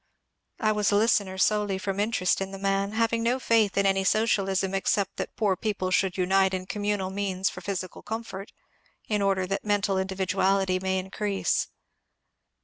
I was a listener solely from interest in the man, having no faith in any socialism except that poor people should unite in communal means for physi cal comfort, in order that mental individuality may increase.